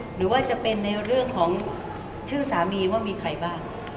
หรือว่าจะเป็นในเรื่องของชื่อสามีว่ามีใครบ้าง